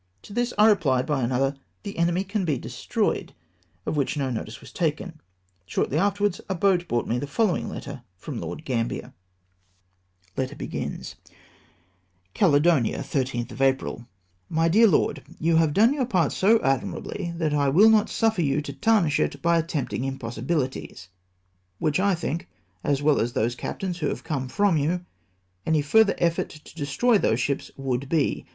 To this I rephed by another, " The enemy can he destroyed ;" of which no notice was taken. Shortly afterwards a boat brought me the followino letter from Lord Gambler :— 394 LOKD GAMBIER'S EVASIVENESS. " Caledonia, 13th of April. " My dear Lord, — You. have done your part so achnirahlij that I ivill not suffer you to tarnish it by attempting impos sibilities*, which I think, as well as those captains who have come from you, any further effort to destroy those ships would be.